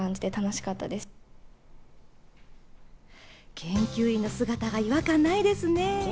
研究員の姿が違和感ないですね。